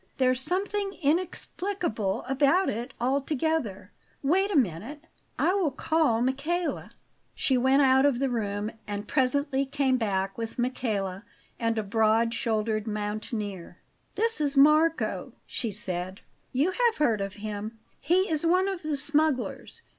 There's something inexplicable about it altogether. Wait a moment; I will call Michele." She went out of the room, and presently came back with Michele and a broad shouldered mountaineer. "This is Marco," she said. "You have heard of him; he is one of the smugglers.